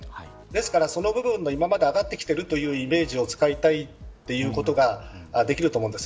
その部分の上がっているイメージを使いたいということができると思うんです。